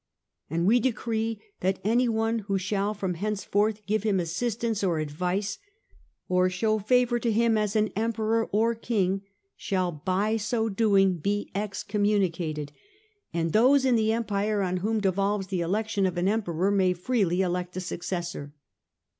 And we decree that anyone who shall from henceforth give him assistance or advice, or show favour to him as an Emperor THE COUNCIL OF LYONS 241 or King, shall by so doing be excommunicated. And those in the Empire on whom devolves the election of an Emperor may freely elect a successor.